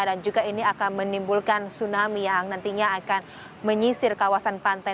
dan juga ini akan menimbulkan tsunami yang nantinya akan menyisir kawasan pantai